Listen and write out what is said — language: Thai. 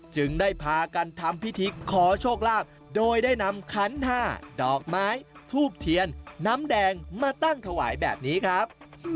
จึงได้พากันทำพิธีขอโชคลาภโดยได้นำขันห้าดอกไม้ทูบเทียนน้ำแดงมาตั้งถวายแบบนี้ครับ